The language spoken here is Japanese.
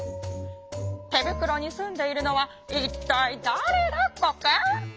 てぶくろにすんでいるのはいったいだれだコケ？」。